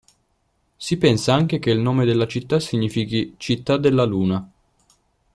Si pensa anche che il nome della città significhi "Città della Luna".